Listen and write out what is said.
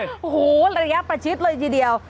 โอ้โหระยะประชิดเลยทีเดียว